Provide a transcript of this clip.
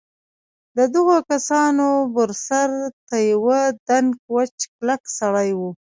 د دغو کسانو بر سر ته یوه دنګ وچ کلک سړي و.